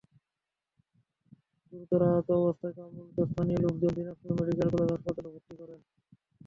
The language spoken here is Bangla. গুরুতর আহত অবস্থায় কামরুলকে স্থানীয় লোকজন দিনাজপুর মেডিকেল কলেজ হাসপাতালে ভর্তি করেন।